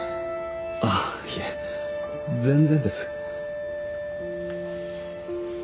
あっいえ全然です。